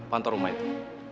pantau rumah itu